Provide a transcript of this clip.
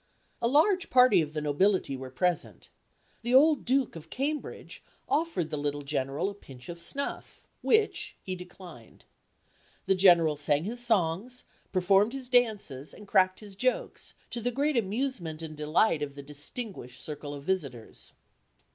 A large party of the nobility were present. The old Duke of Cambridge offered the little General a pinch of snuff, which, he declined. The General sang his songs, performed his dances, and cracked his jokes, to the great amusement and delight of the distinguished circle of visitors.